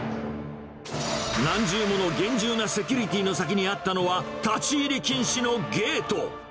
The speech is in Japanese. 何十もの厳重なセキュリティーの先にあったのは、立ち入り禁止のゲート。